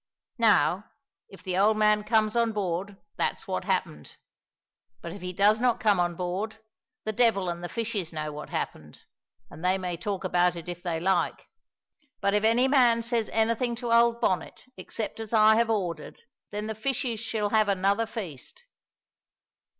Now, if the old man comes on board, that's what happened; but if he does not come on board, the devil and the fishes know what happened, and they may talk about it if they like. But if any man says anything to old Bonnet except as I have ordered, then the fishes shall have another feast."